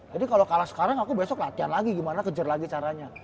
jadi kalau kalah sekarang aku besok latihan lagi gimana kejar lagi caranya